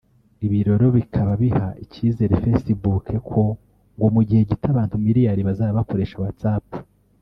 Ibi rero bikaba biha icyizere Facebook ko ngo mu gihe gito abantu miliyari bazaba bakoresha WhatsApp